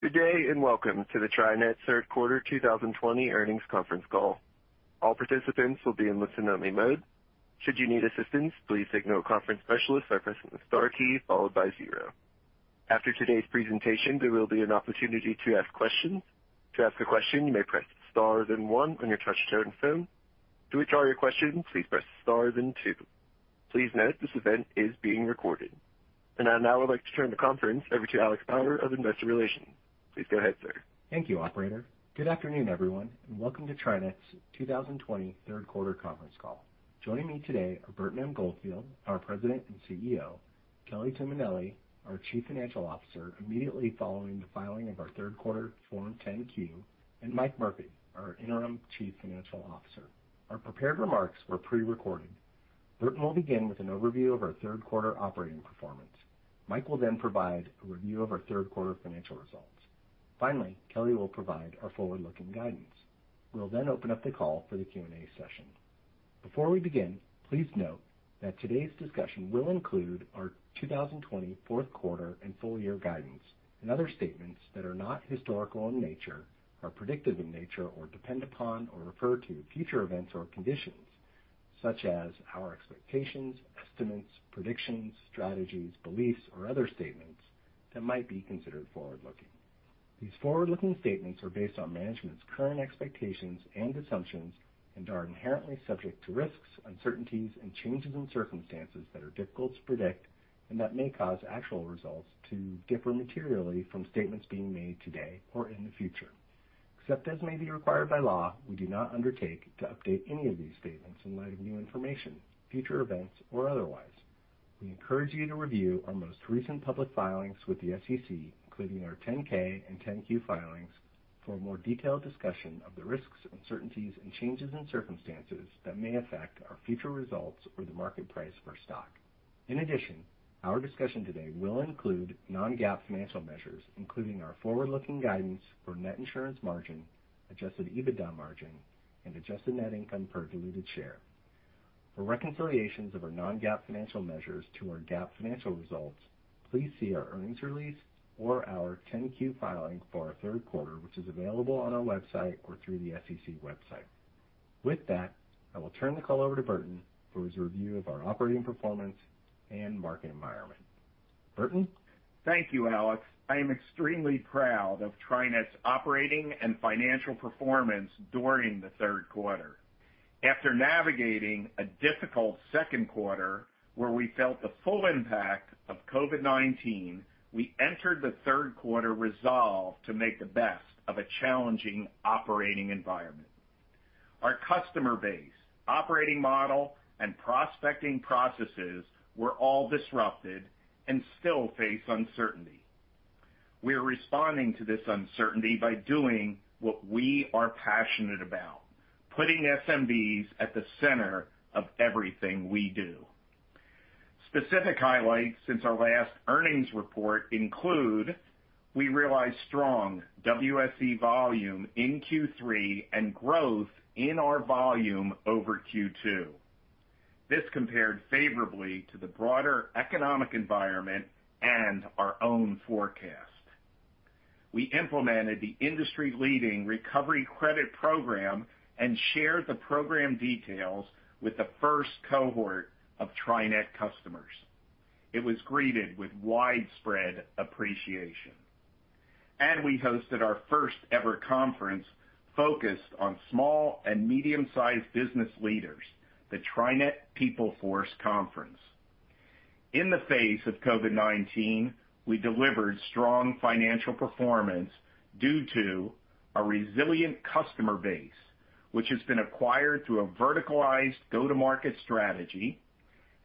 Good day, and welcome to the TriNet third quarter 2020 earnings conference call. I now would like to turn the conference over to Alex Bauer of Investor Relations. Please go ahead, sir. Thank you, operator. Good afternoon, everyone. Welcome to TriNet's 2020 third quarter conference call. Joining me today are Burton Goldfield, our President and CEO, Kelly Tuminelli, our Chief Financial Officer, immediately following the filing of our third quarter Form 10-Q, and Mike Murphy, our Interim Chief Financial Officer. Our prepared remarks were pre-recorded. Burton will begin with an overview of our third quarter operating performance. Mike will provide a review of our third quarter financial results. Finally, Kelly will provide our forward-looking guidance. We'll open up the call for the Q&A session. Before we begin, please note that today's discussion will include our 2020 fourth quarter and full year guidance and other statements that are not historical in nature, are predictive in nature, or depend upon or refer to future events or conditions, such as our expectations, estimates, predictions, strategies, beliefs, or other statements that might be considered forward-looking. These forward-looking statements are based on management's current expectations and assumptions and are inherently subject to risks, uncertainties, and changes in circumstances that are difficult to predict and that may cause actual results to differ materially from statements being made today or in the future. Except as may be required by law, we do not undertake to update any of these statements in light of new information, future events, or otherwise. We encourage you to review our most recent public filings with the SEC, including our 10-K and 10-Q filings, for a more detailed discussion of the risks, uncertainties, and changes in circumstances that may affect our future results or the market price for stock. In addition, our discussion today will include non-GAAP financial measures, including our forward-looking guidance for net insurance margin, adjusted EBITDA margin, and adjusted net income per diluted share. For reconciliations of our non-GAAP financial measures to our GAAP financial results, please see our earnings release or our 10-Q filing for our third quarter, which is available on our website or through the SEC website. With that, I will turn the call over to Burton for his review of our operating performance and market environment. Burton? Thank you, Alex. I am extremely proud of TriNet's operating and financial performance during the third quarter. After navigating a difficult second quarter where we felt the full impact of COVID-19, we entered the third quarter resolved to make the best of a challenging operating environment. Our customer base, operating model, and prospecting processes were all disrupted and still face uncertainty. We are responding to this uncertainty by doing what we are passionate about, putting SMBs at the center of everything we do. Specific highlights since our last earnings report include we realized strong WSE volume in Q3 and growth in our volume over Q2. This compared favorably to the broader economic environment and our own forecast. We implemented the industry-leading Recovery Credit Program and shared the program details with the first cohort of TriNet customers. It was greeted with widespread appreciation. We hosted our first ever conference focused on small and medium-sized business leaders, the TriNet PeopleForce conference. In the face of COVID-19, we delivered strong financial performance due to a resilient customer base, which has been acquired through a verticalized go-to-market strategy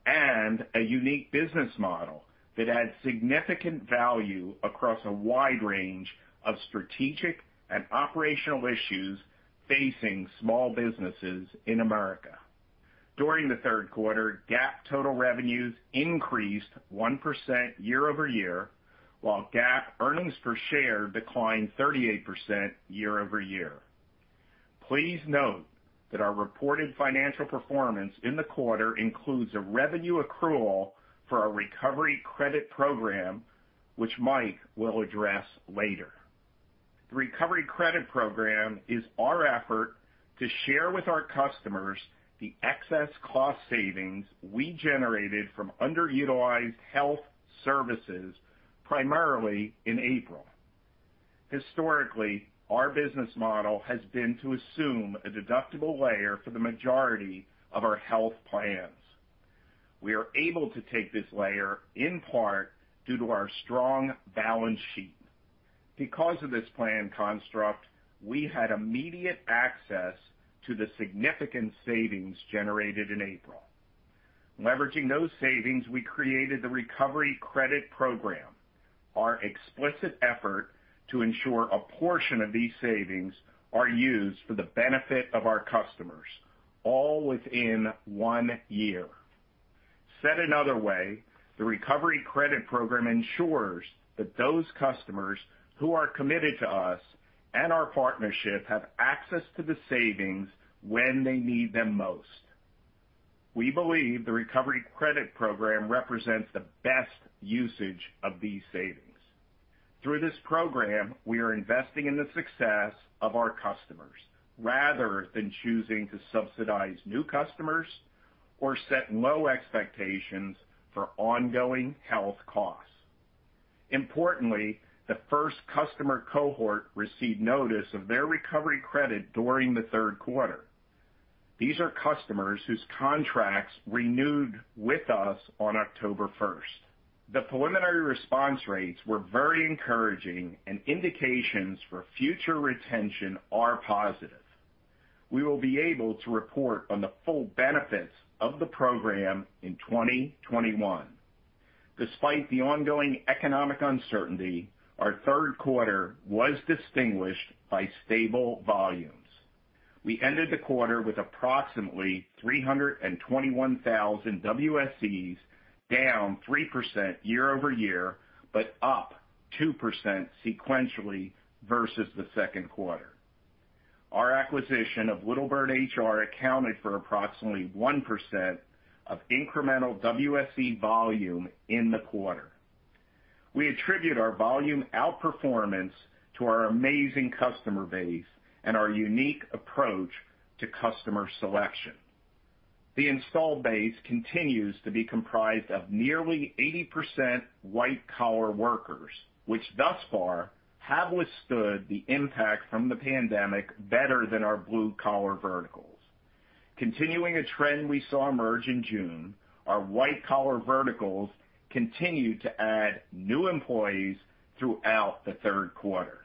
and a unique business model that adds significant value across a wide range of strategic and operational issues facing small businesses in America. During the third quarter, GAAP total revenues increased 1% year-over-year, while GAAP earnings per share declined 38% year-over-year. Please note that our reported financial performance in the quarter includes a revenue accrual for our Recovery Credit Program, which Mike will address later. The Recovery Credit Program is our effort to share with our customers the excess cost savings we generated from underutilized health services, primarily in April. Historically, our business model has been to assume a deductible layer for the majority of our health plans. We are able to take this layer in part due to our strong balance sheet. Because of this plan construct, we had immediate access to the significant savings generated in April. Leveraging those savings, we created the Recovery Credit Program, our explicit effort to ensure a portion of these savings are used for the benefit of our customers, all within one year. Said another way, the Recovery Credit Program ensures that those customers who are committed to us and our partnership have access to the savings when they need them most. We believe the Recovery Credit Program represents the best usage of these savings. Through this program, we are investing in the success of our customers rather than choosing to subsidize new customers or set low expectations for ongoing health costs. Importantly, the first customer cohort received notice of their Recovery Credit during the third quarter. These are customers whose contracts renewed with us on October 1st. The preliminary response rates were very encouraging, and indications for future retention are positive. We will be able to report on the full benefits of the program in 2021. Despite the ongoing economic uncertainty, our third quarter was distinguished by stable volumes. We ended the quarter with approximately 321,000 WSEs, down 3% year-over-year, but up 2% sequentially versus the second quarter. Our acquisition of Little Bird HR accounted for approximately 1% of incremental WSE volume in the quarter. We attribute our volume outperformance to our amazing customer base and our unique approach to customer selection. The installed base continues to be comprised of nearly 80% white-collar workers, which thus far have withstood the impact from the pandemic better than our blue-collar verticals. Continuing a trend we saw emerge in June, our white-collar verticals continued to add new employees throughout the third quarter.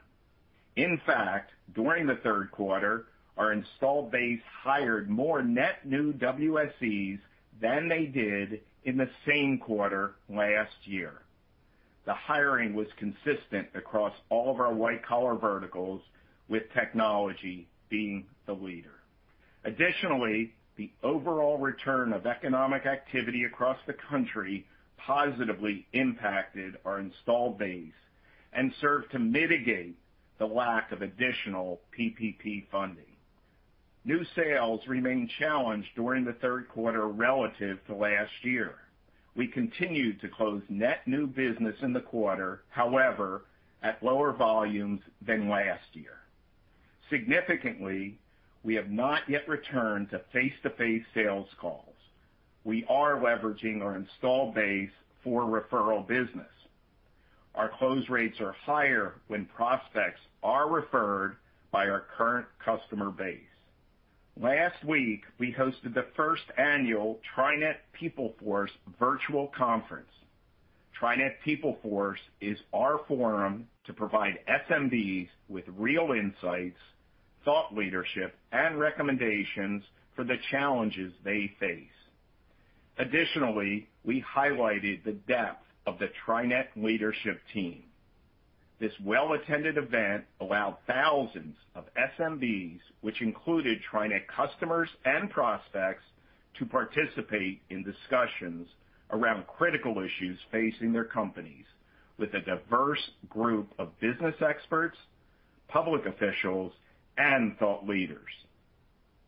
In fact, during the third quarter, our installed base hired more net new WSEs than they did in the same quarter last year. The hiring was consistent across all of our white-collar verticals, with technology being the leader. Additionally, the overall return of economic activity across the country positively impacted our installed base and served to mitigate the lack of additional PPP funding. New sales remained challenged during the third quarter relative to last year. We continued to close net new business in the quarter, however, at lower volumes than last year. Significantly, we have not yet returned to face-to-face sales calls. We are leveraging our installed base for referral business. Our close rates are higher when prospects are referred by our current customer base. Last week, we hosted the first annual TriNet PeopleForce virtual conference. TriNet PeopleForce is our forum to provide SMBs with real insights, thought leadership, and recommendations for the challenges they face. Additionally, we highlighted the depth of the TriNet leadership team. This well-attended event allowed thousands of SMBs, which included TriNet customers and prospects, to participate in discussions around critical issues facing their companies with a diverse group of business experts, public officials, and thought leaders.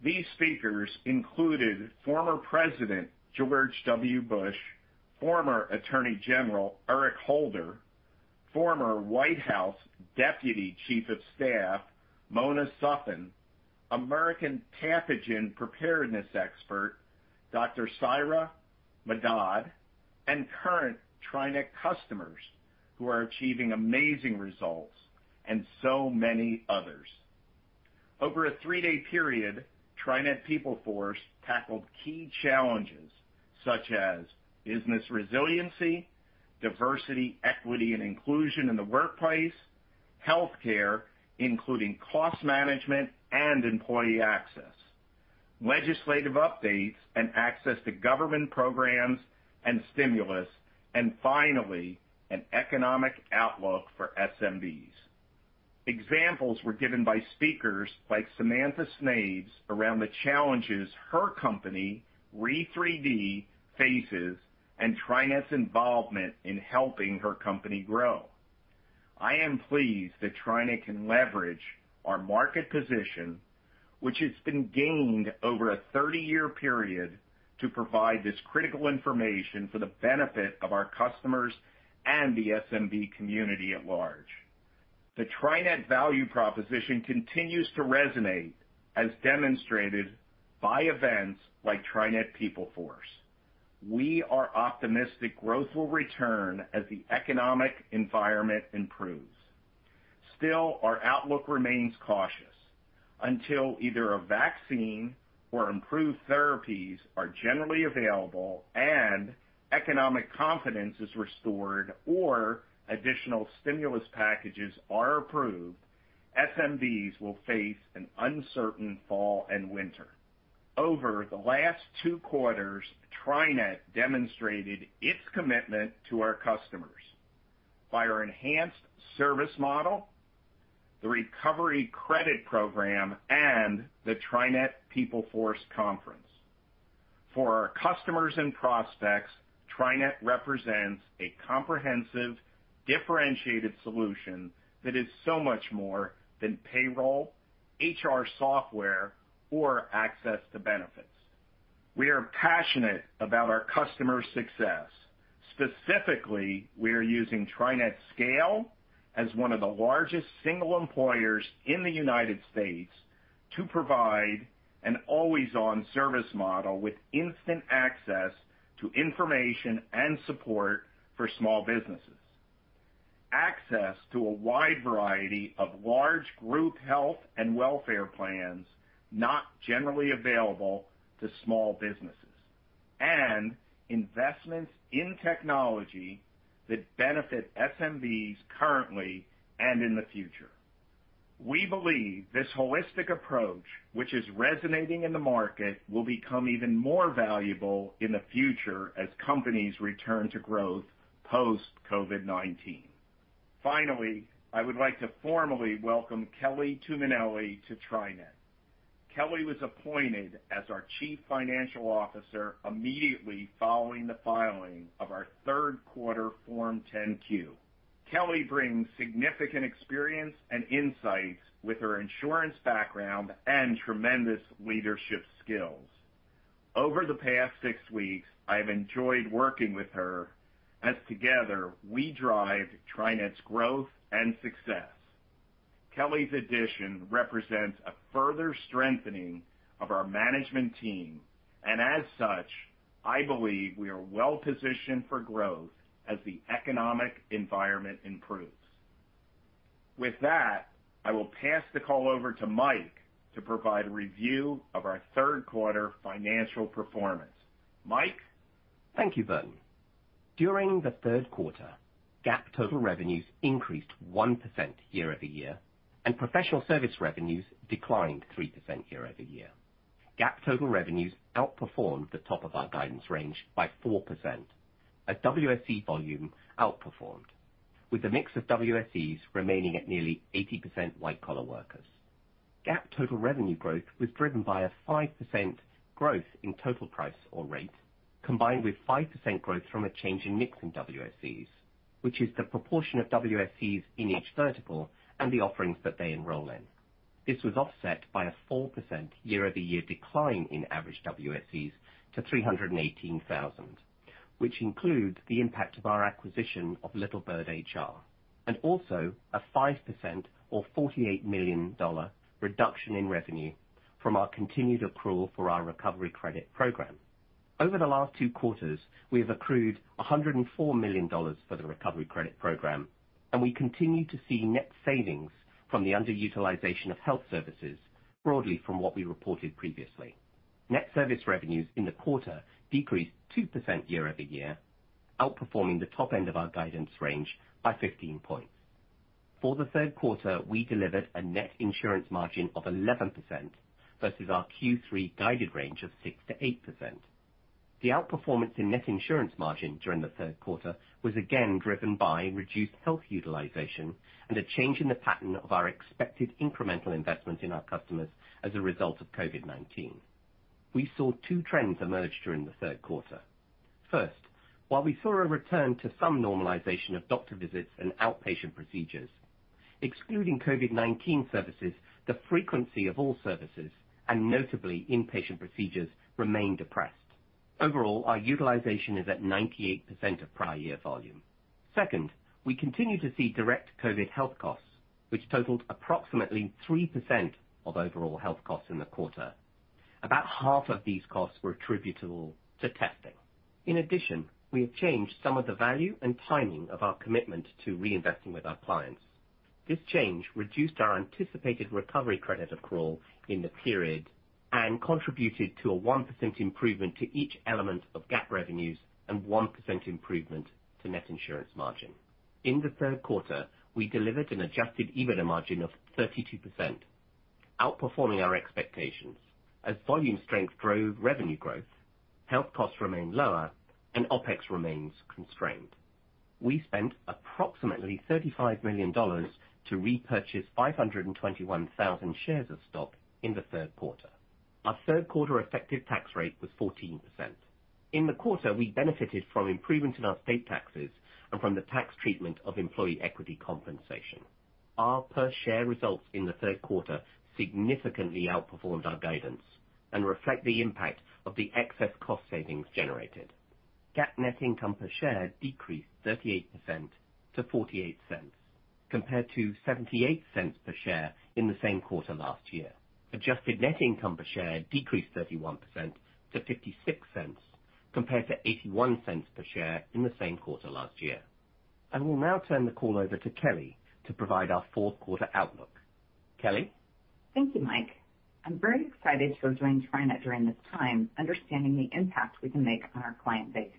These speakers included former President George W. Bush, former Attorney General Eric Holder, former White House Deputy Chief of Staff Mona Sutphen, American pathogen preparedness expert Dr. Syra Madad, and current TriNet customers who are achieving amazing results, and so many others. Over a three-day period, TriNet PeopleForce tackled key challenges such as business resiliency, diversity, equity, and inclusion in the workplace, healthcare, including cost management and employee access, legislative updates, and access to government programs and stimulus, and finally, an economic outlook for SMBs. Examples were given by speakers like Samantha Snabes around the challenges her company, re:3D, faces and TriNet's involvement in helping her company grow. I am pleased that TriNet can leverage our market position, which has been gained over a 30-year period, to provide this critical information for the benefit of our customers and the SMB community at large. The TriNet value proposition continues to resonate, as demonstrated by events like TriNet PeopleForce. We are optimistic growth will return as the economic environment improves. Still, our outlook remains cautious. Until either a vaccine or improved therapies are generally available and economic confidence is restored or additional stimulus packages are approved, SMBs will face an uncertain fall and winter. Over the last two quarters, TriNet demonstrated its commitment to our customers by our enhanced service model, the Recovery Credit Program, and the TriNet PeopleForce conference. For our customers and prospects, TriNet represents a comprehensive, differentiated solution that is so much more than payrollHR software or access to benefits. We are passionate about our customer success. Specifically, we are using TriNet's scale as one of the largest single employers in the United States to provide an always-on service model with instant access to information and support for small businesses, access to a wide variety of large group health and welfare plans not generally available to small businesses, and investments in technology that benefit SMBs currently and in the future. We believe this holistic approach, which is resonating in the market, will become even more valuable in the future as companies return to growth post-COVID-19. Finally, I would like to formally welcome Kelly Tuminelli to TriNet. Kelly was appointed as our Chief Financial Officer immediately following the filing of our third quarter Form 10-Q. Kelly brings significant experience and insights with her insurance background and tremendous leadership skills. Over the past six weeks, I've enjoyed working with her as together we drive TriNet's growth and success. Kelly's addition represents a further strengthening of our management team, and as such, I believe we are well-positioned for growth as the economic environment improves. With that, I will pass the call over to Mike to provide a review of our third quarter financial performance. Mike? Thank you, Vernon. During the third quarter, GAAP total revenues increased 1% year-over-year, and professional service revenues declined 3% year-over-year. GAAP total revenues outperformed the top of our guidance range by 4%. WSE volume outperformed, with the mix of WSEs remaining at nearly 80% white-collar workers. GAAP total revenue growth was driven by a 5% growth in total price or rate, combined with 5% growth from a change in mix in WSEs, which is the proportion of WSEs in each vertical and the offerings that they enroll in. This was offset by a 4% year-over-year decline in average WSEs to 318,000, which includes the impact of our acquisition of Little Bird HR, and also a 5% or $48 million reduction in revenue from our continued accrual for our Recovery Credit Program. Over the last two quarters, we have accrued $104 million for the Recovery Credit Program. We continue to see net savings from the underutilization of health services, broadly from what we reported previously. Net service revenues in the quarter decreased 2% year-over-year, outperforming the top end of our guidance range by 15 points. For the third quarter, we delivered a net insurance margin of 11% versus our Q3 guided range of 6%-8%. The outperformance in net insurance margin during the third quarter was again driven by reduced health utilization and a change in the pattern of our expected incremental investment in our customers as a result of COVID-19. We saw two trends emerge during the third quarter. First, while we saw a return to some normalization of doctor visits and outpatient procedures, excluding COVID-19 services, the frequency of all services, and notably inpatient procedures, remained depressed. Overall, our utilization is at 98% of prior year volume. Second, we continue to see direct COVID health costs, which totaled approximately 3% of overall health costs in the quarter. About half of these costs were attributable to testing. In addition, we have changed some of the value and timing of our commitment to reinvesting with our clients. This change reduced our anticipated Recovery Credit accrual in the period and contributed to a 1% improvement to each element of GAAP revenues and 1% improvement to net insurance margin. In the third quarter, we delivered an adjusted EBITDA margin of 32%, outperforming our expectations as volume strength drove revenue growth, health costs remained lower, and OpEx remains constrained. We spent $35 million to repurchase 521,000 shares of stock in the third quarter. Our third quarter effective tax rate was 14%. In the quarter, we benefited from improvement in our state taxes and from the tax treatment of employee equity compensation. Our per-share results in the third quarter significantly outperformed our guidance and reflect the impact of the excess cost savings generated. GAAP net income per share decreased 38% to $0.48, compared to $0.78 per share in the same quarter last year. Adjusted net income per share decreased 31% to $0.56, compared to $0.81 per share in the same quarter last year. I will now turn the call over to Kelly to provide our fourth quarter outlook. Kelly? Thank you, Mike. I'm very excited to have joined TriNet during this time, understanding the impact we can make on our client base.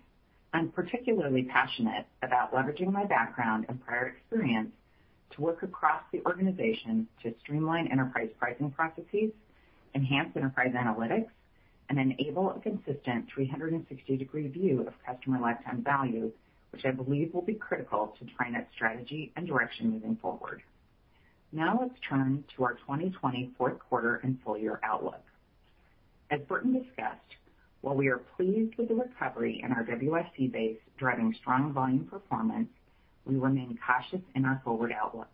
I'm particularly passionate about leveraging my background and prior experience to work across the organization to streamline enterprise pricing processes, enhance enterprise analytics, and enable a consistent 360-degree view of customer lifetime value, which I believe will be critical to TriNet's strategy and direction moving forward. Now let's turn to our 2020 fourth quarter and full -year outlook. As Burton discussed, while we are pleased with the recovery in our WSE base driving strong volume performance, we remain cautious in our forward outlook.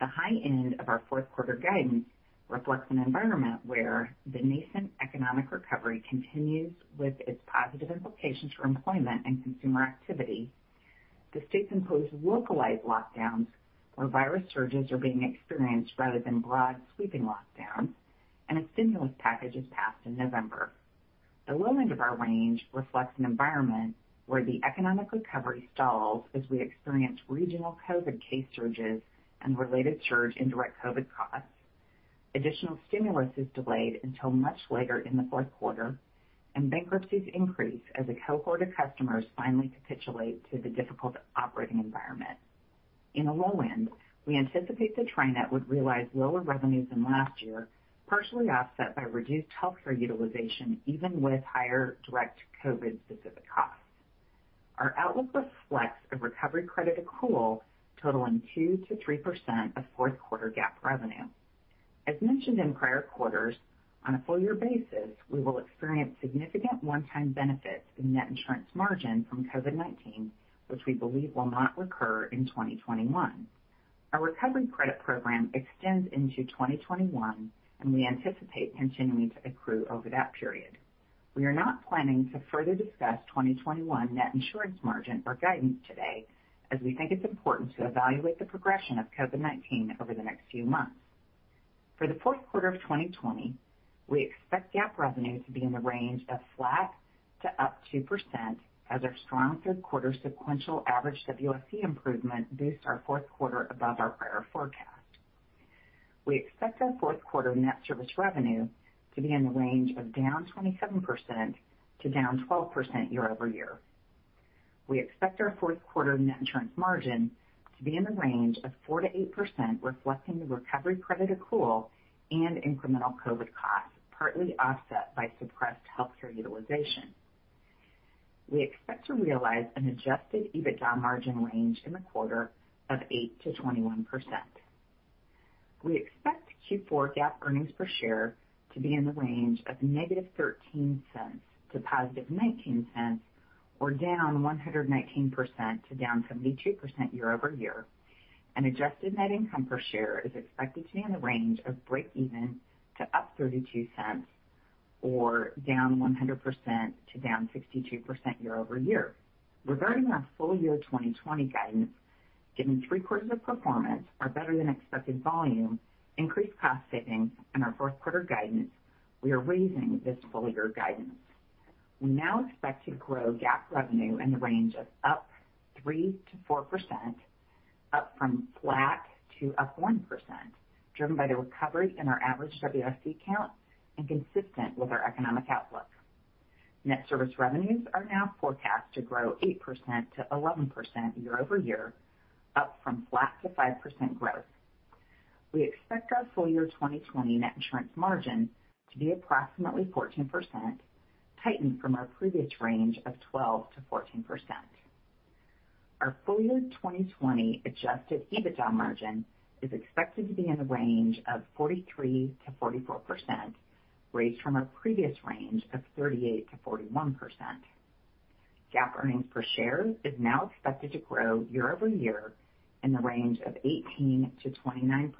The high end of our fourth quarter guidance reflects an environment where the nascent economic recovery continues with its positive implications for employment and consumer activity. A stimulus package is passed in November. The low end of our range reflects an environment where the economic recovery stalls as we experience regional COVID case surges and related surge in direct COVID costs. Bankruptcies increase as a cohort of customers finally capitulate to the difficult operating environment. In the low end, we anticipate that TriNet would realize lower revenues than last year, partially offset by reduced healthcare utilization, even with higher direct COVID-specific costs. Our outlook reflects a recovery credit accrual totaling 2%-3% of fourth quarter GAAP revenue. As mentioned in prior quarters, on a full- year basis, we will experience significant one-time benefits in net insurance margin from COVID-19, which we believe will not recur in 2021. Our Recovery Credit Program extends into 2021, and we anticipate continuing to accrue over that period. We are not planning to further discuss 2021 net insurance margin or guidance today as we think it's important to evaluate the progression of COVID-19 over the next few months. For the fourth quarter of 2020, we expect GAAP revenue to be in the range of flat to up 2% as our strong third quarter sequential average WSE improvement boosts our fourth quarter above our prior forecast. We expect our fourth quarter net service revenue to be in the range of down 27% to down 12% year-over-year. We expect our fourth quarter net insurance margin to be in the range of 4% to 8%, reflecting the Recovery Credit accrual and incremental COVID costs, partly offset by suppressed healthcare utilization. We expect to realize an adjusted EBITDA margin range in the quarter of 8%-21%. We expect Q4 GAAP earnings per share to be in the range of negative $0.13 to positive $0.19, or down 119% to down 72% year-over-year, and adjusted net income per share is expected to be in the range of breakeven to up $0.32, or down 100% to down 62% year-over-year. Regarding our full -year 2020 guidance, given three quarters of performance, our better-than-expected volume, increased cost savings and our fourth quarter guidance, we are raising this full- year guidance. We now expect to grow GAAP revenue in the range of up 3%-4%, up from flat to up 1%, driven by the recovery in our average WSE count and consistent with our economic outlook. Net service revenues are now forecast to grow 8%-11% year-over-year, up from flat to 5% growth. We expect our full- year 2020 net insurance margin to be approximately 14%, tightened from our previous range of 12%-14%. Our full year 2020 adjusted EBITDA margin is expected to be in the range of 43%-44%, raised from our previous range of 38%-41%. GAAP earnings per share is now expected to grow year-over-year in the range of 18%-29%,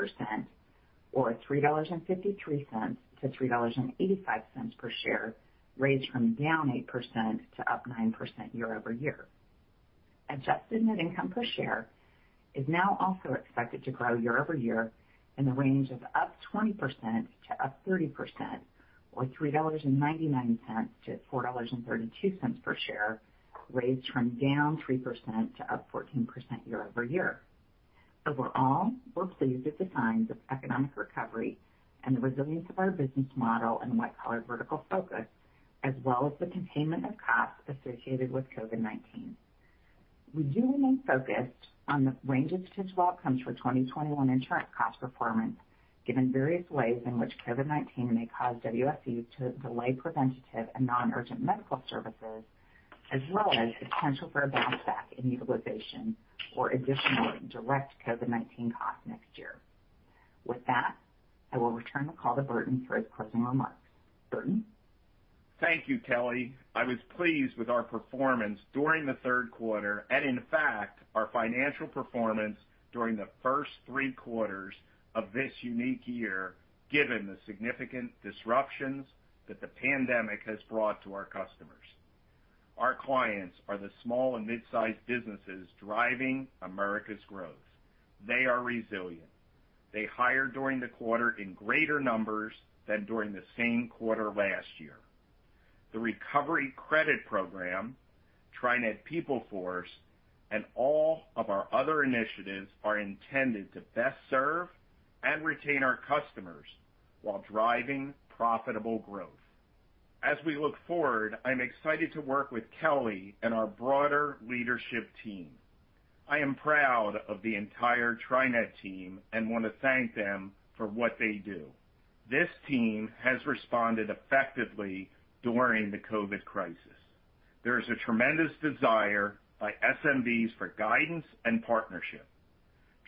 or $3.53-$3.85 per share, raised from down 8% to up 9% year-over-year. Adjusted net income per share is now also expected to grow year-over-year in the range of up 20%-30%, or $3.99-$4.32 per share, raised from down 3% to up 14% year-over-year. Overall, we're pleased at the signs of economic recovery and the resilience of our business model and white-collar vertical focus, as well as the containment of costs associated with COVID-19. We do remain focused on the range of potential outcomes for 2021 insurance cost performance, given various ways in which COVID-19 may cause WSEs to delay preventative and non-urgent medical services, as well as the potential for a bounce back in utilization or additional direct COVID-19 costs next year. With that, I will return the call to Burton for his closing remarks. Burton? Thank you, Kelly. I was pleased with our performance during the third quarter, and in fact, our financial performance during the first three quarters of this unique year, given the significant disruptions that the pandemic has brought to our customers. Our clients are the small and midsize businesses driving America's growth. They are resilient. They hired during the quarter in greater numbers than during the same quarter last year. The Recovery Credit Program, TriNet PeopleForce, and all of our other initiatives are intended to best serve and retain our customers while driving profitable growth. As we look forward, I'm excited to work with Kelly and our broader leadership team. I am proud of the entire TriNet team and want to thank them for what they do. This team has responded effectively during the COVID crisis. There is a tremendous desire by SMBs for guidance and partnership.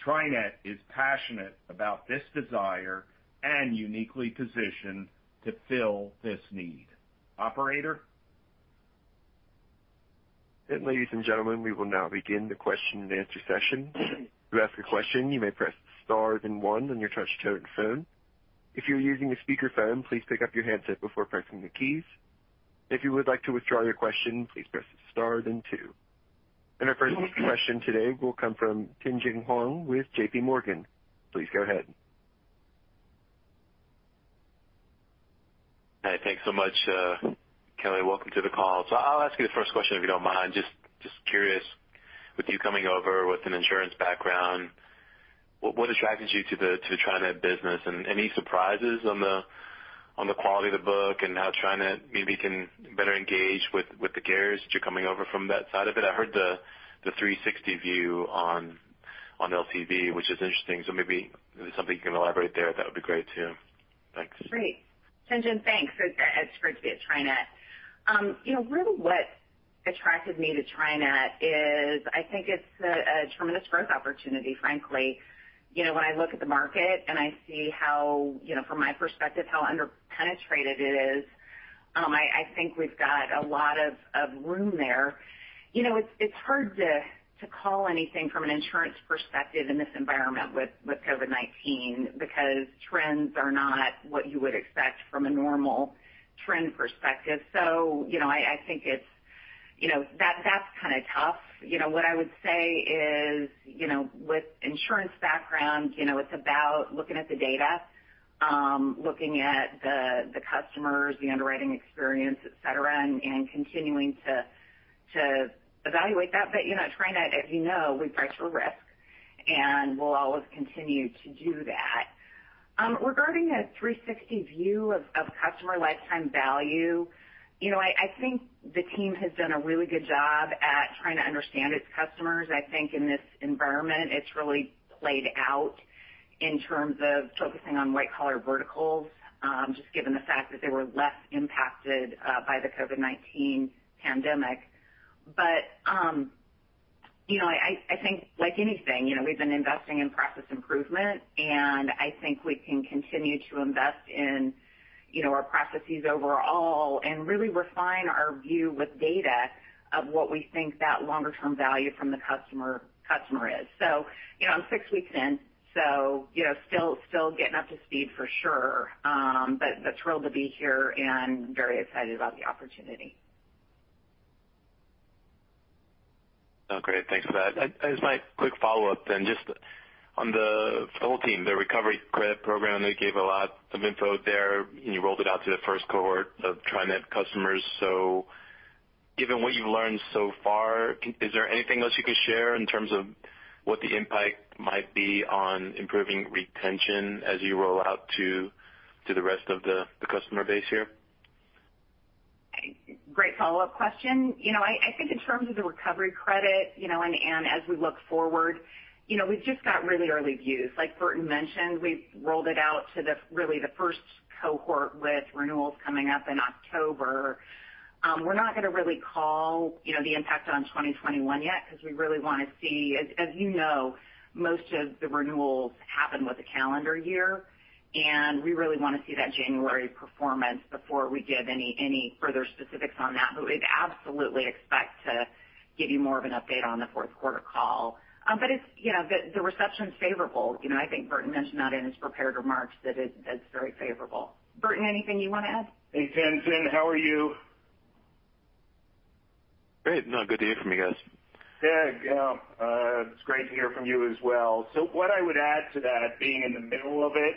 TriNet is passionate about this desire and uniquely positioned to fill this need. Operator? Our first question today will come from Tien-Tsin Huang with J.P. Morgan. Please go ahead. Hi. Thanks so much, Kelly. Welcome to the call. I'll ask you the first question, if you don't mind. Just curious, with you coming over with an insurance background, what attracted you to the TriNet business, and any surprises on the quality of the book and how TriNet maybe can better engage with the carriers that you're coming over from that side of it? I heard the 360 view on LTV, which is interesting. Maybe if there's something you can elaborate there, that would be great too. Thanks. Great. Tien-Tsin, thanks. It's great to be at TriNet. Really what attracted me to TriNet is, I think it's a tremendous growth opportunity, frankly. When I look at the market and I see how, from my perspective, how under-penetrated it is, I think we've got a lot of room there. It's hard to call anything from an insurance perspective in this environment with COVID-19 because trends are not what you would expect from a normal trend perspective. I think that's kind of tough. What I would say is, with insurance background, it's about looking at the data, looking at the customers, the underwriting experience, et cetera, and continuing to evaluate that. TriNet, as you know, we price for risk, and we'll always continue to do that. Regarding a 360 view of customer lifetime value, I think the team has done a really good job at trying to understand its customers. I think in this environment, it's really played out in terms of focusing on white-collar verticals, just given the fact that they were less impacted by the COVID-19 pandemic. I think like anything, we've been investing in process improvement, and I think we can continue to invest in our processes overall and really refine our view with data of what we think that longer-term value from the customer is. I'm six weeks in, so still getting up to speed for sure. Thrilled to be here and very excited about the opportunity. Great. Thanks for that. As my quick follow-up then, just on the whole team, the Recovery Credit Program, they gave a lot of info there, and you rolled it out to the first cohort of TriNet customers. Given what you've learned so far, is there anything else you could share in terms of what the impact might be on improving retention as you roll out to the rest of the customer base here? Great follow-up question. I think in terms of the Recovery Credit Program, and as we look forward, we've just got really early views. Like Burton mentioned, we've rolled it out to the first cohort with renewals coming up in October. We're not going to really call the impact on 2021 yet because we really want to see, as you know, most of the renewals happen with the calendar year, and we really want to see that January performance before we give any further specifics on that. We'd absolutely expect to give you more of an update on the fourth quarter call. The reception's favorable. I think Burton mentioned that in his prepared remarks that it's very favorable. Burton, anything you want to add? Hey, Tien-Tsin, how are you? Great. No, good to hear from you guys. Yeah. It's great to hear from you as well. What I would add to that, being in the middle of it,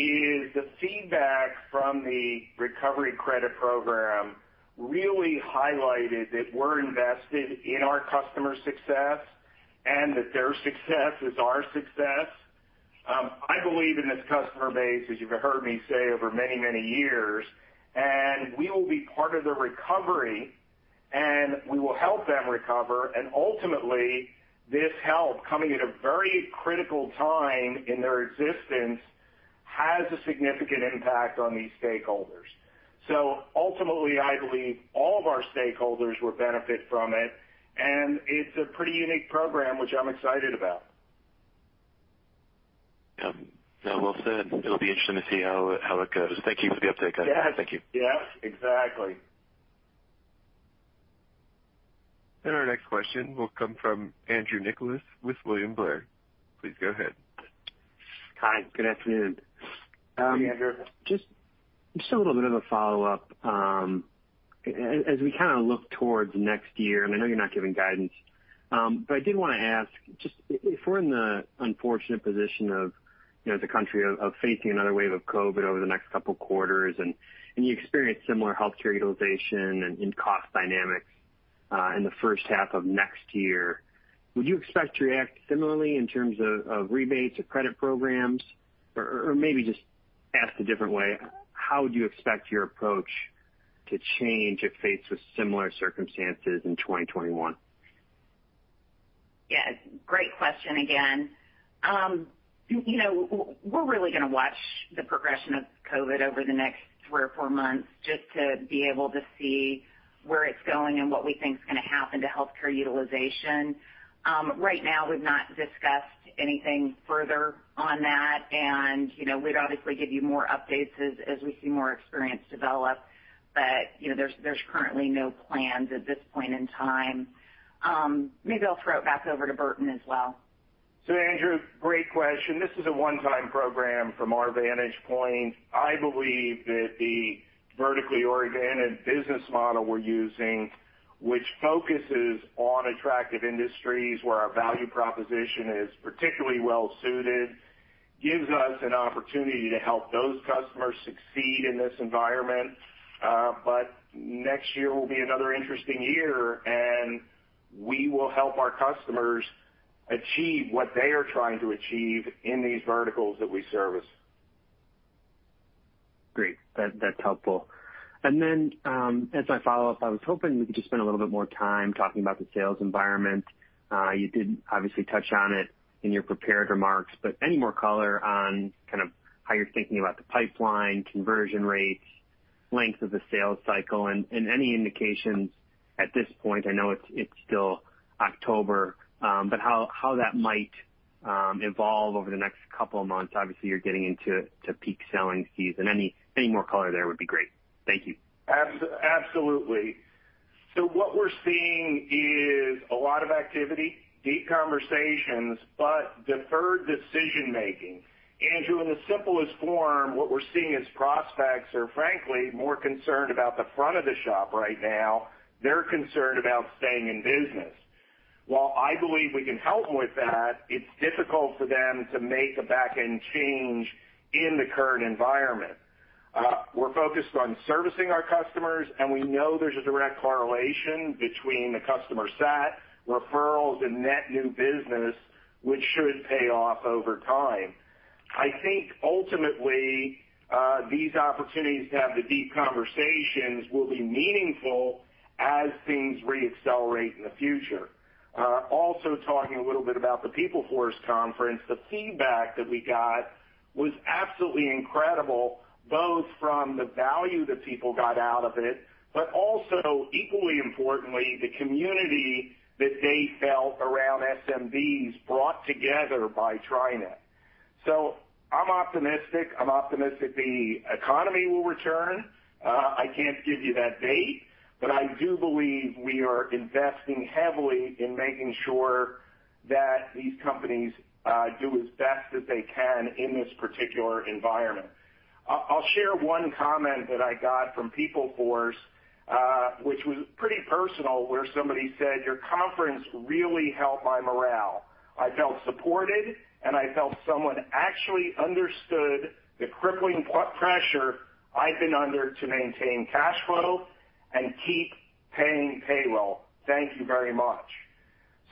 is the feedback from the Recovery Credit Program really highlighted that we're invested in our customers' success, and that their success is our success. I believe in this customer base, as you've heard me say over many years, and we will be part of the recovery, and we will help them recover. Ultimately, this help coming at a very critical time in their existence has a significant impact on these stakeholders. Ultimately, I believe all of our stakeholders will benefit from it, and it's a pretty unique program, which I'm excited about. Yeah. Well said. It'll be interesting to see how it goes. Thank you for the update. Yeah. Thank you. Yeah, exactly. Our next question will come from Andrew Nicholas with William Blair. Please go ahead. Hi. Good afternoon. Hey, Andrew. Just a little bit of a follow-up. As we kind of look towards next year, and I know you're not giving guidance, but I did want to ask, just if we're in the unfortunate position of the country of facing another wave of COVID over the next couple of quarters, and you experience similar healthcare utilization and cost dynamics in the first half of next year, would you expect to react similarly in terms of rebates or credit programs? Maybe just asked a different way, how would you expect your approach to change if faced with similar circumstances in 2021? Yeah. Great question again. We're really going to watch the progression of COVID-19 over the next three or four months just to be able to see where it's going and what we think is going to happen to healthcare utilization. Right now, we've not discussed anything further on that, and we'd obviously give you more updates as we see more experience develop. There's currently no plans at this point in time. Maybe I'll throw it back over to Burton as well. Andrew, great question. This is a one-time program from our vantage point. I believe that the vertically oriented business model we're using, which focuses on attractive industries where our value proposition is particularly well-suited, gives us an opportunity to help those customers succeed in this environment. Next year will be another interesting year, and we will help our customers achieve what they are trying to achieve in these verticals that we service. Great. That's helpful. Then, as my follow-up, I was hoping we could just spend a little bit more time talking about the sales environment. You did obviously touch on it in your prepared remarks, but any more color on how you're thinking about the pipeline, conversion rates, length of the sales cycle, and any indications at this point, I know it's still October, but how that might evolve over the next couple of months. Obviously, you're getting into peak selling season. Any more color there would be great. Thank you. Absolutely. What we're seeing is a lot of activity, deep conversations, but deferred decision-making. Andrew, in the simplest form, what we're seeing is prospects are, frankly, more concerned about the front of the shop right now. They're concerned about staying in business. While I believe we can help them with that, it's difficult for them to make a back-end change in the current environment. We're focused on servicing our customers, and we know there's a direct correlation between the customer sat, referrals, and net new business, which should pay off over time. I think ultimately, these opportunities to have the deep conversations will be meaningful as things re-accelerate in the future. Talking a little bit about the TriNet PeopleForce conference, the feedback that we got was absolutely incredible, both from the value that people got out of it, but also, equally importantly, the community that they felt around SMBs brought together by TriNet. I'm optimistic. I'm optimistic the economy will return. I can't give you that date, but I do believe we are investing heavily in making sure that these companies do as best as they can in this particular environment. I'll share one comment that I got from TriNet PeopleForce, which was pretty personal, where somebody said, "Your conference really helped my morale. I felt supported, and I felt someone actually understood the crippling pressure I've been under to maintain cash flow and keep paying payroll. Thank you very much.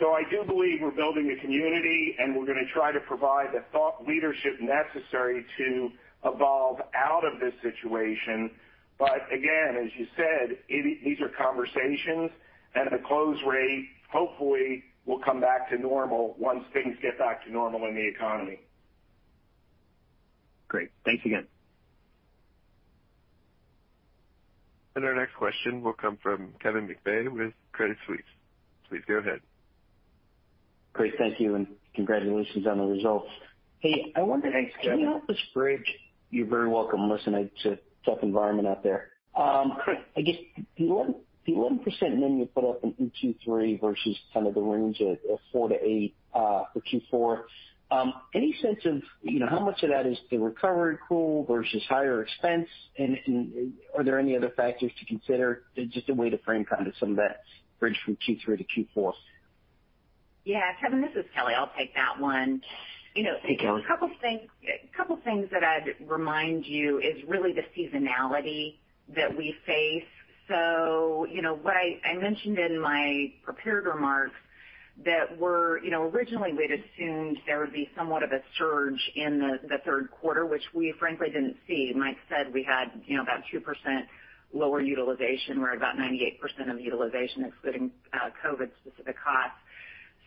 I do believe we're building a community, and we're going to try to provide the thought leadership necessary to evolve out of this situation. Again, as you said, these are conversations, and the close rate, hopefully, will come back to normal once things get back to normal in the economy. Great. Thanks again. Our next question will come from Kevin McVeigh with Credit Suisse. Please go ahead. Great. Thank you, and congratulations on the results. Thanks, Kevin. You're very welcome. Listen, it's a tough environment out there. Correct. I guess the 11% number you put up in Q3 versus kind of the range of 4%-8% for Q4, any sense of how much of that is the recovery pool versus higher expense, and are there any other factors to consider? Just a way to frame kind of some of that bridge from Q3 to Q4. Yeah, Kevin, this is Kelly. I'll take that one. Hey, Kelly. A couple things that I'd remind you is really the seasonality that we face. What I mentioned in my prepared remarks that were, originally, we'd assumed there would be somewhat of a surge in the third quarter, which we frankly didn't see. Mike said we had about 2% lower utilization. We're at about 98% of utilization, excluding COVID-specific costs.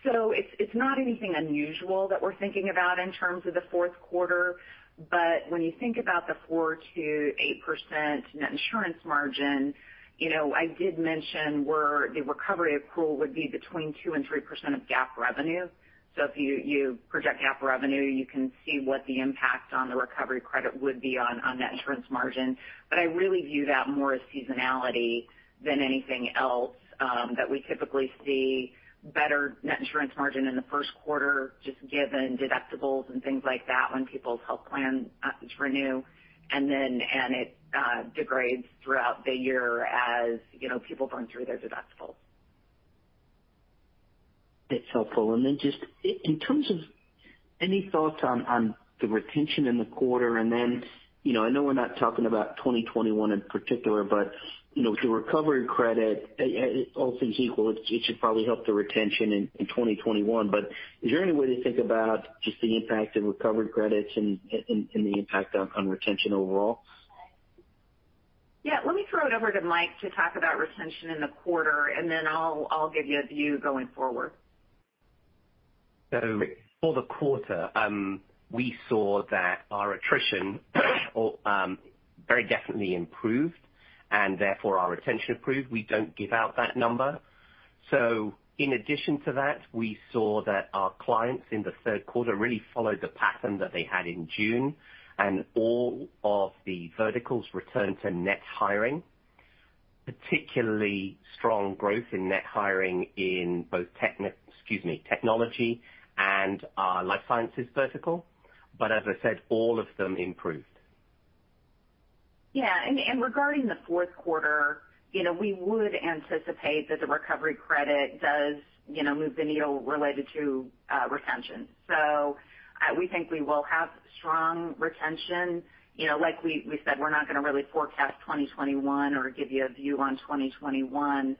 It's not anything unusual that we're thinking about in terms of the fourth quarter. When you think about the 4%-8% net insurance margin, I did mention where the recovery of pool would be between 2% and 3% of GAAP revenue. If you project GAAP revenue, you can see what the impact on the Recovery Credit would be on net insurance margin. I really view that more as seasonality than anything else, that we typically see better net insurance margin in the first quarter, just given deductibles and things like that when people's health plans renew. Then it degrades throughout the year as people burn through their deductibles. That's helpful. Just in terms of any thoughts on the retention in the quarter, and then I know we're not talking about 2021 in particular, but the Recovery Credit, all things equal, it should probably help the retention in 2021. Is there any way to think about just the impact of Recovery Credits and the impact on retention overall? Yeah. Let me throw it over to Mike to talk about retention in the quarter, and then I'll give you a view going forward. For the quarter, we saw that our attrition very definitely improved, and therefore, our retention improved. We don't give out that number. In addition to that, we saw that our clients in the third quarter really followed the pattern that they had in June, and all of the verticals returned to net hiring, particularly strong growth in net hiring in both technology and our life sciences vertical. As I said, all of them improved. Yeah. Regarding the fourth quarter, we would anticipate that the Recovery Credit does move the needle related to retention. We think we will have strong retention. Like we said, we're not going to really forecast 2021 or give you a view on 2021.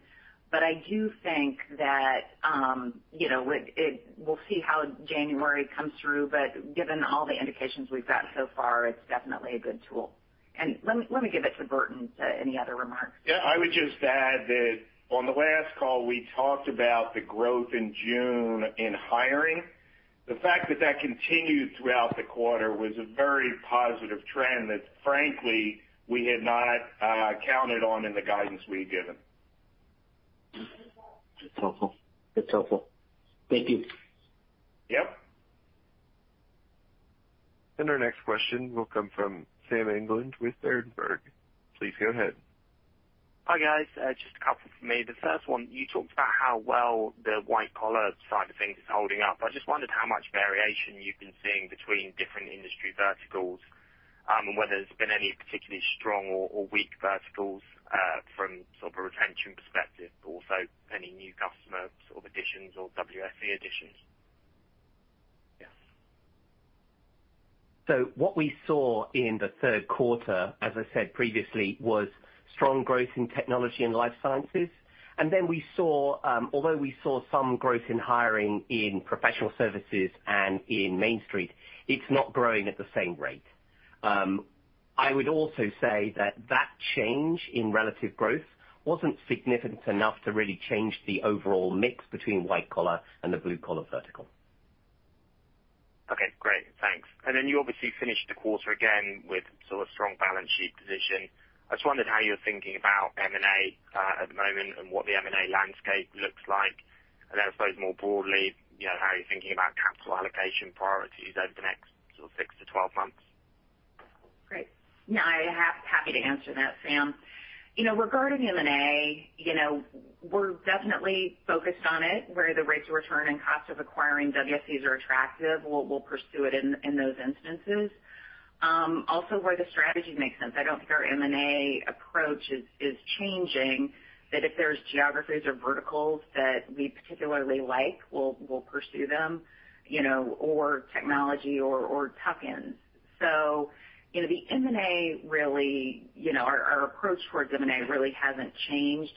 I do think that we'll see how January comes through, but given all the indications we've got so far, it's definitely a good tool. Let me give it to Burton to any other remarks. Yeah, I would just add that on the last call, we talked about the growth in June in hiring. The fact that that continued throughout the quarter was a very positive trend that, frankly, we had not counted on in the guidance we had given. That's helpful. Thank you. Yep. Our next question will come from Sam England with Berenberg. Please go ahead. Hi, guys. Just a couple from me. The first one, you talked about how well the white-collar side of things is holding up. I just wondered how much variation you've been seeing between different industry verticals, and whether there's been any particularly strong or weak verticals, from sort of a retention perspective, but also any new customer sort of additions or WSE additions. Yes. What we saw in the third quarter, as I said previously, was strong growth in technology and life sciences. Although we saw some growth in hiring in professional services and in Main Street, it's not growing at the same rate. I would also say that that change in relative growth wasn't significant enough to really change the overall mix between white collar and the blue-collar vertical. Okay, great. Thanks. You obviously finished the quarter again with sort of strong balance sheet position. I just wondered how you're thinking about M&A at the moment and what the M&A landscape looks like. I suppose more broadly, how you're thinking about capital allocation priorities over the next 6-12 months. Great. I'm happy to answer that, Sam. Regarding M&A, we're definitely focused on it where the rates of return and cost of acquiring WSEs are attractive, we'll pursue it in those instances. Where the strategy makes sense. I don't think our M&A approach is changing, that if there's geographies or verticals that we particularly like, we'll pursue them, or technology or tuck-ins. Our approach towards M&A really hasn't changed.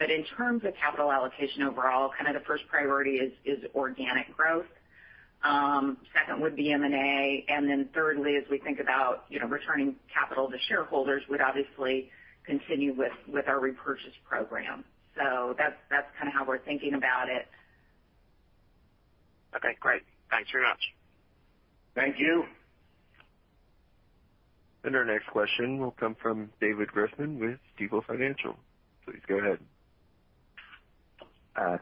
In terms of capital allocation overall, kind of the first priority is organic growth. Second would be M&A, thirdly, as we think about returning capital to shareholders, we'd obviously continue with our repurchase program. That's kind of how we're thinking about it. Okay, great. Thanks very much. Thank you. Our next question will come from David Grossman with Stifel Financial. Please go ahead.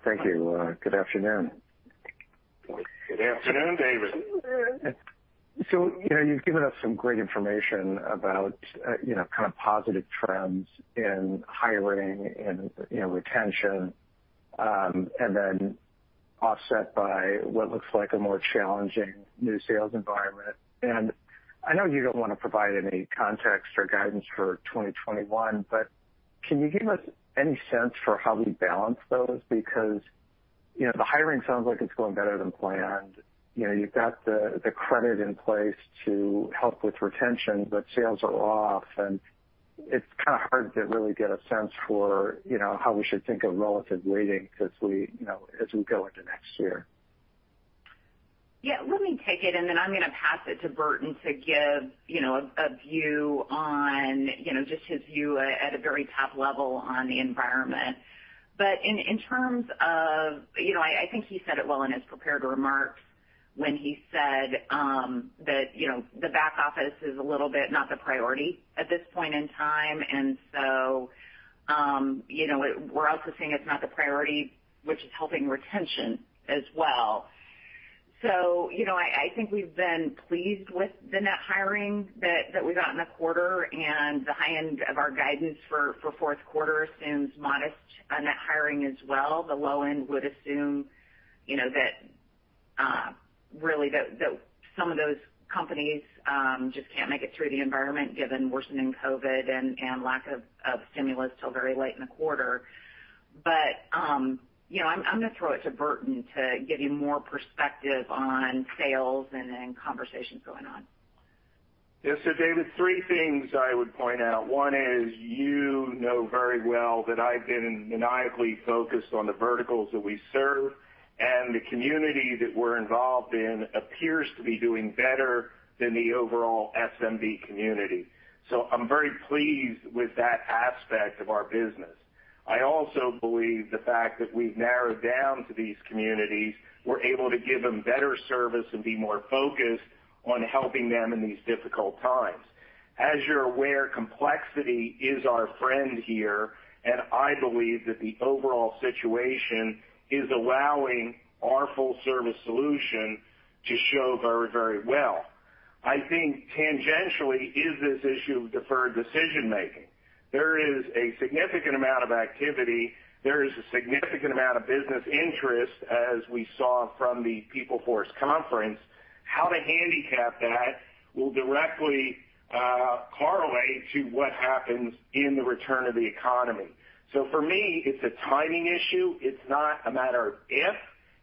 Thank you. Good afternoon. Good afternoon, David. You've given us some great information about kind of positive trends in hiring and retention, then offset by what looks like a more challenging new sales environment. I know you don't want to provide any context or guidance for 2021, can you give us any sense for how we balance those? The hiring sounds like it's going better than planned. You've got the credit in place to help with retention, sales are off, it's kind of hard to really get a sense for how we should think of relative weighting as we go into next year. Yeah. Let me take it, and then I'm going to pass it to Burton to give just his view at a very top level on the environment. I think he said it well in his prepared remarks when he said that the back office is a little bit not the priority at this point in time. We're also seeing it's not the priority, which is helping retention as well. I think we've been pleased with the net hiring that we got in the quarter, and the high end of our guidance for fourth quarter assumes modest net hiring as well. The low end would assume that some of those companies just can't make it through the environment given worsening COVID-19 and lack of stimulus till very late in the quarter. I'm going to throw it to Burton to give you more perspective on sales and conversations going on. David, three things I would point out. One is You know very well that I've been maniacally focused on the verticals that we serve, and the community that we're involved in appears to be doing better than the overall SMB community. I'm very pleased with that aspect of our business. I also believe the fact that we've narrowed down to these communities, we're able to give them better service and be more focused on helping them in these difficult times. As you're aware, complexity is our friend here, and I believe that the overall situation is allowing our full-service solution to show very well. I think tangentially is this issue of deferred decision-making. There is a significant amount of activity. There is a significant amount of business interest, as we saw from the TriNet PeopleForce conference. How to handicap that will directly correlate to what happens in the return of the economy. For me, it's a timing issue. It's not a matter of if,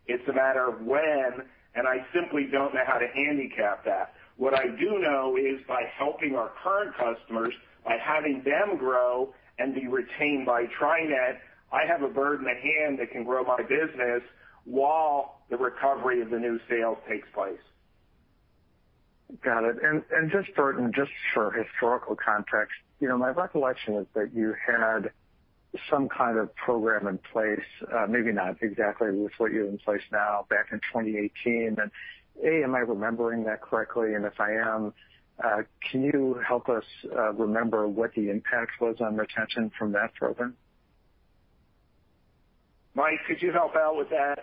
it's a matter of when, and I simply don't know how to handicap that. What I do know is by helping our current customers, by having them grow and be retained by TriNet, I have a bird in the hand that can grow my business while the recovery of the new sales takes place. Got it. Just for historical context, my recollection is that you had some kind of program in place, maybe not exactly with what you have in place now, back in 2018. A, am I remembering that correctly? If I am, can you help us remember what the impact was on retention from that program? Mike, could you help out with that?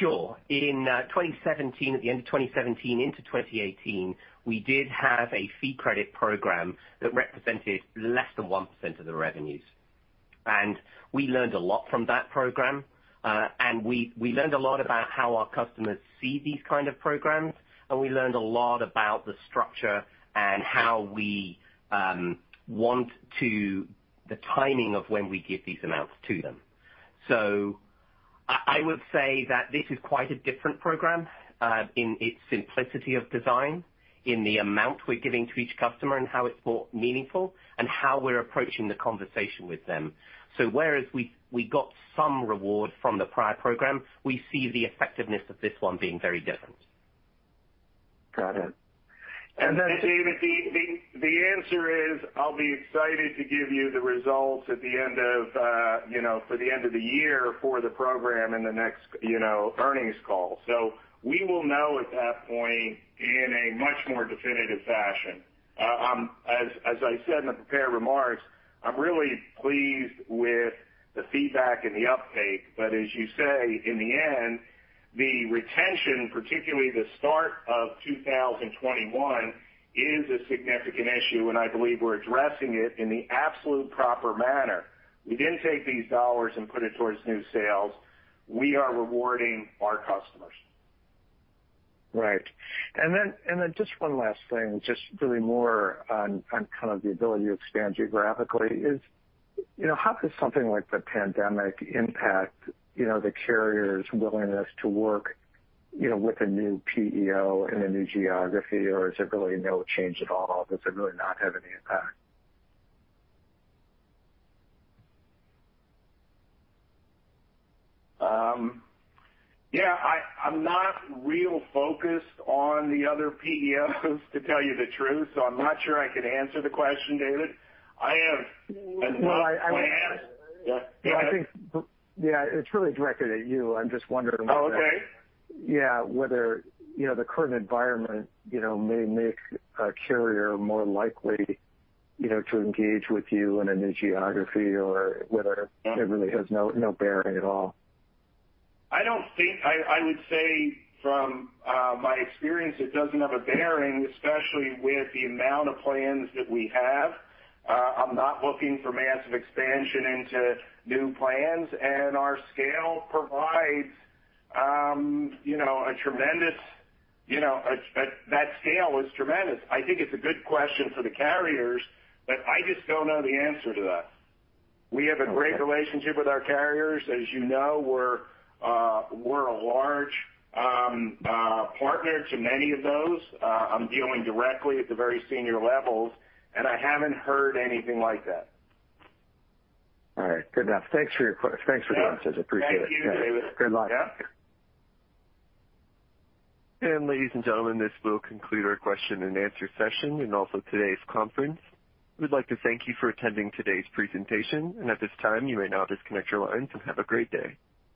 Sure. In 2017, at the end of 2017 into 2018, we did have a fee credit program that represented less than 1% of the revenues. We learned a lot from that program. We learned a lot about how our customers see these kind of programs, and we learned a lot about the structure and the timing of when we give these amounts to them. I would say that this is quite a different program, in its simplicity of design, in the amount we're giving to each customer and how it's more meaningful, and how we're approaching the conversation with them. Whereas we got some reward from the prior program, we see the effectiveness of this one being very different. Got it. David, the answer is I'll be excited to give you the results for the end of the year for the program in the next earnings call. We will know at that point in a much more definitive fashion. As I said in the prepared remarks, I'm really pleased with the feedback and the uptake. As you say, in the end, the retention, particularly the start of 2021, is a significant issue, and I believe we're addressing it in the absolute proper manner. We didn't take these dollars and put it towards new sales. We are rewarding our customers. Right. Then just one last thing, just really more on kind of the ability to expand geographically is, how could something like the pandemic impact the carrier's willingness to work with a new PEO in a new geography, or is there really no change at all? Does it really not have any impact? Yeah, I'm not real focused on the other PEOs, to tell you the truth, so I'm not sure I could answer the question, David. I am as much- Well. Go ahead. Yeah. I think, yeah, it's really directed at you. Oh, okay. yeah, whether the current environment may make a carrier more likely to engage with you in a new geography or whether it really has no bearing at all. I would say from my experience, it doesn't have a bearing, especially with the amount of plans that we have. I'm not looking for massive expansion into new plans, and our scale is tremendous. I think it's a good question for the carriers, but I just don't know the answer to that. We have a great relationship with our carriers. As you know, we're a large partner to many of those. I'm dealing directly at the very senior levels, and I haven't heard anything like that. All right. Good enough. Thanks for your answers. Appreciate it. Thank you, David. Good luck. Yeah. Ladies and gentlemen, this will conclude our question and answer session and also today's conference. We'd like to thank you for attending today's presentation. At this time, you may now disconnect your lines and have a great day.